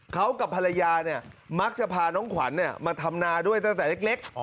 เขากับภรรยามักจะพาน้องขวัญมาทำนาด้วยตั้งแต่เล็ก